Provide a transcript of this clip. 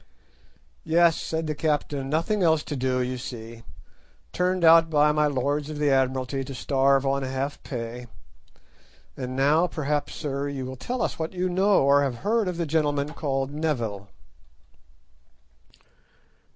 "Yes," said the captain; "nothing else to do, you see. Turned out by my Lords of the Admiralty to starve on half pay. And now perhaps, sir, you will tell us what you know or have heard of the gentleman called Neville."